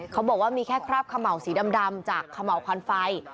เขาบอกว่ามีแค่คราบเขม่าวสีดำจากเขม่าวควันไฟ